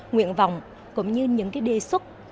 nguyện vọng cũng như những đề xuất